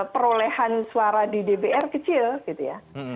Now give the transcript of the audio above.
perolehan suara di dpr kecil gitu ya